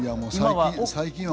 今は？